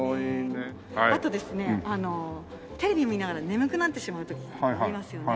あとですねテレビ見ながら眠くなってしまう時とかありますよね？